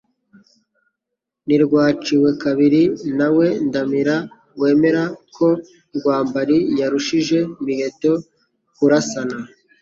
Ntirwaciwe kabiri na we Ndamira wemera ko Rwambari Yarushije Miheto kurasana,